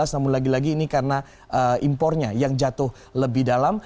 namun lagi lagi ini karena impornya yang jatuh lebih dalam